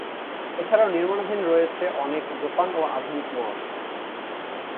এছাড়াও নির্মাণাধীন রয়েছে অনেক দোকান ও আধুনিক মল।